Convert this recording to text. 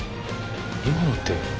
今のって。